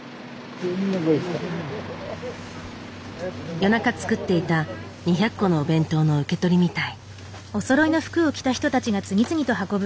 夜中作っていた２００個のお弁当の受け取りみたい。